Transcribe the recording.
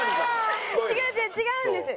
違う違う違うんです。